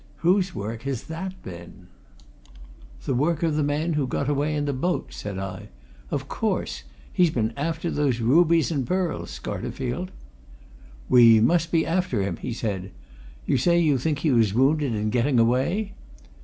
Whose work has that been!" "The work of the man who got away in the boat," said I. "Of course! He's been after those rubies and pearls, Scarterfield." "We must be after him," he said. "You say you think he was wounded in getting away?"